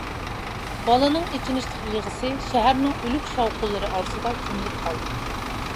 بالىنىڭ ئېچىنىشلىق يىغىسى شەھەرنىڭ ئۆلۈك شاۋقۇنلىرى ئارىسىدا كۆمۈلۈپ قالدى.